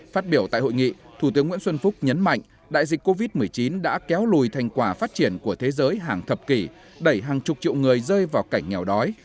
phát biểu tại hội nghị thủ tướng nguyễn xuân phúc nhấn mạnh đại dịch covid một mươi chín đã kéo lùi thành quả phát triển của thế giới hàng thập kỷ đẩy hàng chục triệu người rơi vào cảnh nghèo đói